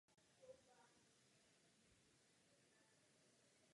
Jen je třeba po nich pátrat.